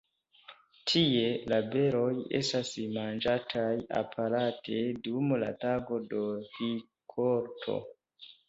Tie la beroj estas manĝataj aparte dum la Tago de rikolto.